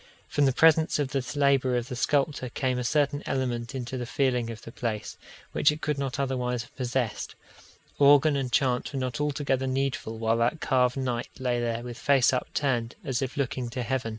From the presence of this labour of the sculptor came a certain element into the feeling of the place, which it could not otherwise have possessed: organ and chant were not altogether needful while that carved knight lay there with face upturned, as if looking to heaven.